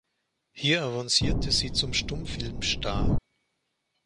Hier avancierte sie zum Stummfilmstar.